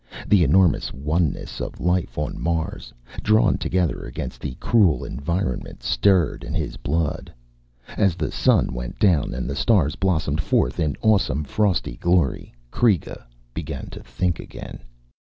The enormous oneness of life on Mars, drawn together against the cruel environment, stirred in his blood. As the sun went down and the stars blossomed forth in awesome frosty glory, Kreega began to think again.